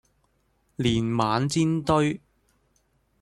年晚煎堆